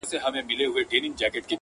یو سړی په دې یخنۍ کي مسافر سو.